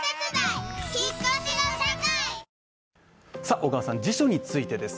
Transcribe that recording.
小川さん、辞書についてです。